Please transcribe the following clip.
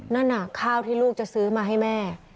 นั่นน่ะข้าวที่ลูกจะซื้อมาให้แม่